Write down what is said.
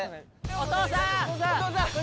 お父さん！